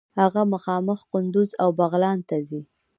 هغه مخامخ قندوز او بغلان ته ځي.